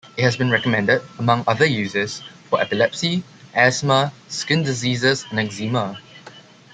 It has been recommended, among other uses, for epilepsy, asthma, skin diseases and eczema.